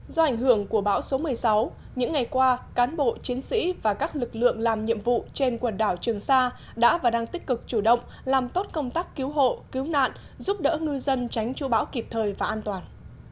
do ảnh hưởng của bão số một mươi sáu những ngày qua cán bộ chiến sĩ và các lực lượng làm nhiệm vụ trên quần đảo trường sa đã và đang tích cực chủ động làm tốt công tác cứu hộ cứu nạn giúp đỡ ngư dân tránh chu bão kịp thời và an toàn